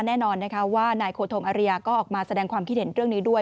แน่นอนนะคะว่านายโคทงอริยาก็ออกมาแสดงความคิดเห็นเรื่องนี้ด้วย